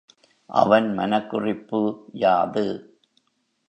அவன் மனக்குறிப்பு யாது?